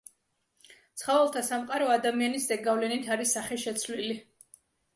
ცხოველთა სამყარო ადამიანის ზეგავლენით არის სახეშეცვლილი.